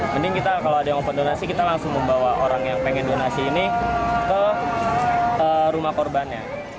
mending kita kalau ada yang open donasi kita langsung membawa orang yang pengen donasi ini ke rumah korbannya